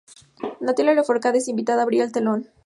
Natalia Lafourcade es invitada a abrir el telón.